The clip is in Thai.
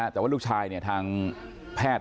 แต่ว่าลูกชายทางแพทย์